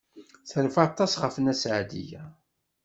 Terfa aṭas ɣef Nna Seɛdiya.